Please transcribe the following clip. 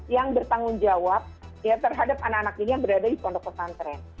yang bertanggung jawab terhadap anak anak ini yang berada di pondok pesantren